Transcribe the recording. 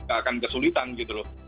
akan kesulitan gitu loh